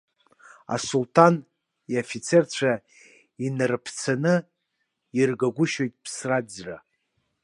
Асулҭан иафицарцәа инараԥцаны иргагәышьоит ԥсра-ӡра!